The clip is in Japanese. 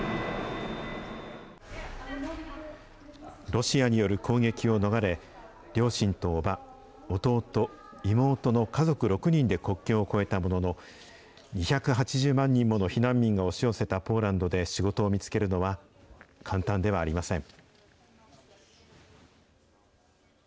ロシアによる攻撃を逃れ、両親とおば、弟、妹の家族６人で国境を越えたものの、２８０万人もの避難民が押し寄せたポーランドで仕事を見つけるのは簡単ではありません。